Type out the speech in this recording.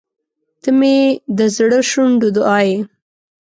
• ته مې د زړه شونډو دعا یې.